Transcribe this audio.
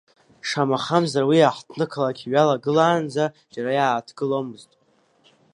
Шамахамзар уи, аҳҭны-қалақь иҩалагылаанӡа, џьара иааҭгыломызт.